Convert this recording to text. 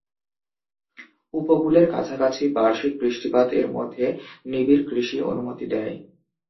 উপকূলের কাছাকাছি, বার্ষিক বৃষ্টিপাত এর মধ্যে, নিবিড় কৃষি অনুমতি দেয়।